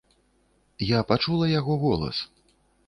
Я пачула яго голас.